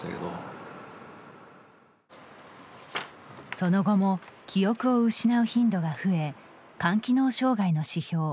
その後も記憶を失う頻度が増え肝機能障害の指標